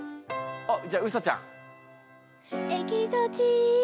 あっじゃあうさちゃん。